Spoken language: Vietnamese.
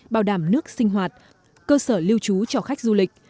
bảo đảm nước sinh hoạt cơ sở lưu trú cho khách du lịch